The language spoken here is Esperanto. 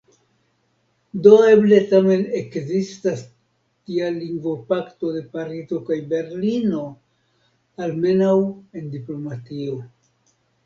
Do eble tamen ekzistas tia lingvopakto de Parizo kaj Berlino – almenaŭ en diplomatio.